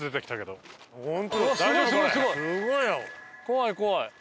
怖い怖い。